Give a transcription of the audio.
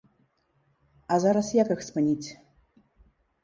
А зараз як іх спыніць?